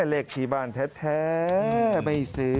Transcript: เลขที่บ้านแท้ไม่ซื้อ